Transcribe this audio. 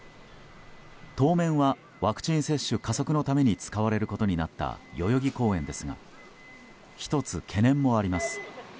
当面はワクチン接種加速のために使われることになった代々木公園ですが１つ懸念もあります。